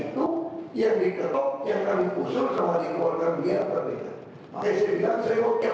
saya juga tidak mau saat ini masalah memutuskan